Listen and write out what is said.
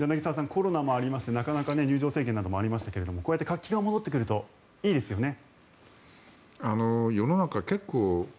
コロナもありましてなかなか入場制限などもありましたけどもこうやって活気が戻ってくるといいですよね。